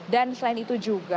dan selain itu juga